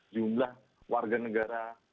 jumlah warga negara